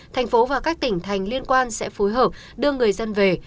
thành phố và các tỉnh thành liên quan sẽ phối hợp đưa người dân về